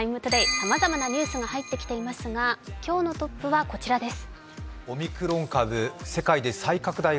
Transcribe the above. さまざまなニュースが入っていますが今日のトップはこちらです。